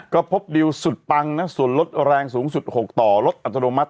ก็พบดิวสุดปังนะส่วนลดแรงสูงสุด๖ต่อลดอัตโนมัติ